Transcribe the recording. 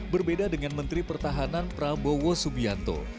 berbeda dengan menteri pertahanan prabowo subianto